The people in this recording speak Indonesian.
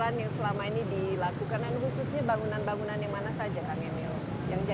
apa yang selama ini dilakukan dan khususnya bangunan bangunan yang mana saja kang emil